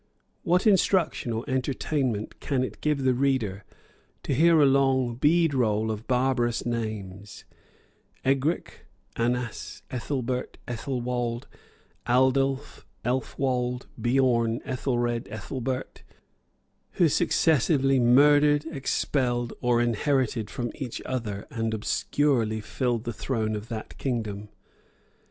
What instruction or entertainment can it give the reader, to hear a long bead roll of barbarous names, Egric, Annas, Ethelbert, Ethelwald, Aldulf, Elfwald, Beorne, Ethelred, Ethelbert, who successively murdered, expelled, or inherited from each other, and obscurely filled the throne of that kingdom?